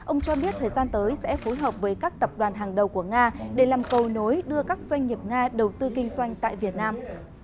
ông cho biết thời gian tới sẽ phối hợp với các tập đoàn hàng đầu của nga để làm cầu nối đưa các doanh nghiệp nga đầu tư kinh doanh tại việt nam